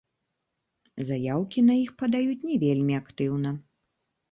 Заяўкі на іх падаюць не вельмі актыўна.